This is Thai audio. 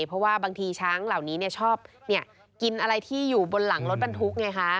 เพราะว่าบางทีช้างเหล่านี้ชอบกินอะไรที่อยู่บนหลังรถบรรทุกไงคะ